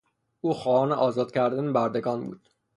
او خواهان آزاد کردن بردگان بود.